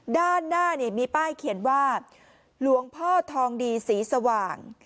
ด้านหน้ามีป้ายเขียนว่าหลวงพ่อทองดีสีสว่าง